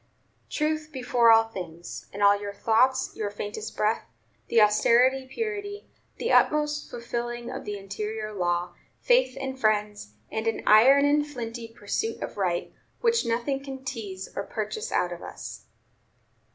Truth before all things; in all your thoughts, your faintest breath, the austerest purity, the utmost fulfilling of the interior law; faith in friends, and an iron and flinty pursuit of right, which nothing can tease or purchase out of us."